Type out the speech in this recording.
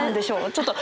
ちょっと。